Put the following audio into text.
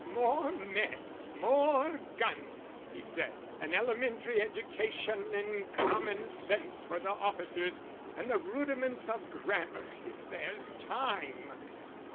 "More men, more guns!" he said. "An elementary education in common sense for the officers, and the rudiments of grammar if there's time!"